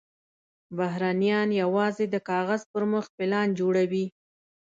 بهرنیان یوازې د کاغذ پر مخ پلان جوړوي.